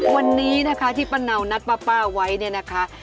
วันนี้นะคะที่ป้าเนานัดป้าไว้เนี่ยนะคะ